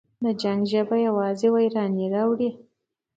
د جنګ ژبه یوازې ویرانی راوړي.